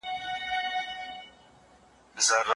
استاد وویل چې د پانګي تولید کم سوی دی.